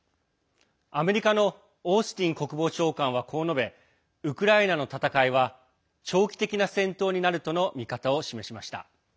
アメリカのオースティン国防長官はこう述べウクライナの戦いは長期的な戦闘になるとの見方を示しました。